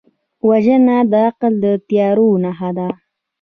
وژنه د عقل د تیارو نښه ده